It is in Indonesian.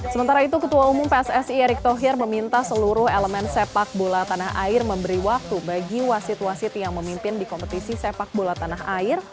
sementara itu ketua umum pssi erick thohir meminta seluruh elemen sepak bola tanah air memberi waktu bagi wasit wasit yang memimpin di kompetisi sepak bola tanah air